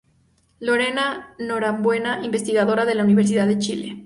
Lorena Norambuena, investigadora de la Universidad de Chile.